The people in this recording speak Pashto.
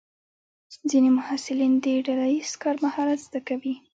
ځینې محصلین د ډله ییز کار مهارت زده کوي.